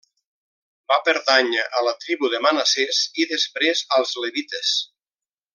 Va pertànyer a la tribu de Manassès i després als Levites.